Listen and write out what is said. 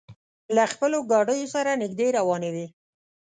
له خپلو ګاډیو سره نږدې روانې وې.